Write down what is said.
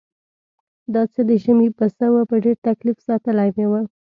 دا څه د ژمي پسه و په ډېر تکلیف ساتلی مې و.